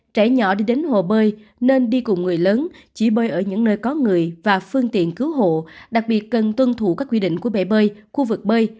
trẻ nhỏ đi đến hồ bơi nên đi cùng người lớn chỉ bơi ở những nơi có người và phương tiện cứu hộ đặc biệt cần tuân thủ các quy định của bể bơi khu vực bơi